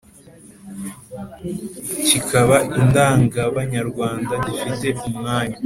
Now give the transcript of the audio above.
kikaba indangabanyarwanda, gifite umwanya